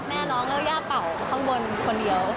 แม่น้องแล้วย่าเป่าข้างบนคนเดียว